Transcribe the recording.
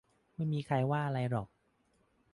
ไม่มีใครว่าอะไรหรอก